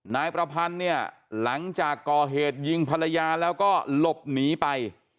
นายประพันธ์เนี่ยหลังจากก่อเหตุยิงภรรยาแล้วก็หลบหนีไป